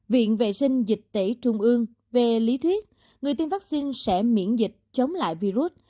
viện vệ sinh dịch tễ trung ương về lý thuyết người tiêm vaccine sẽ miễn dịch chống lại virus